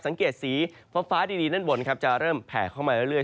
สังเกตสีฟ้าดีด้านบนจะเริ่มแผ่เข้ามาเรื่อย